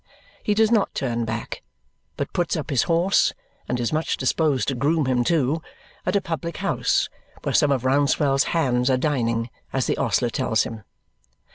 He does not turn back, but puts up his horse (and is much disposed to groom him too) at a public house where some of Rouncewell's hands are dining, as the ostler tells him.